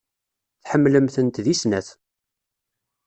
Tḥemmlem-tent deg snat.